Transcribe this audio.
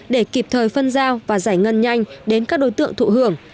để kịp thời phân giao và giải ngân nhanh đến các đối tượng thụ hưởng